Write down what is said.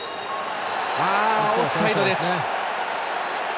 オフサイドです。